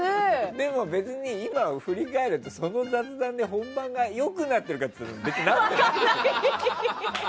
でも、別に今振り返るとその雑談で本番が良くなっているかというと良くなってない。